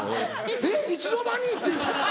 えっいつの間に⁉って。